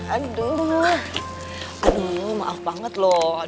aduh maaf banget loh